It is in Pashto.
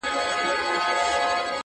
هره شېبه ولګېږي زر شمعي -